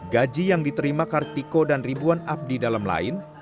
gaji yang diterima kartiko dan ribuan abdi dalam lain